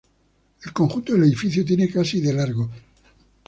El conjunto del edificio tiene casi de largo.